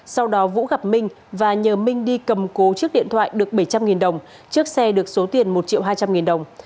sau đó vũ gặp minh và nhờ minh đi cầm cố chiếc điện thoại được bảy trăm linh đồng chiếc xe được số tiền một triệu hai trăm linh nghìn đồng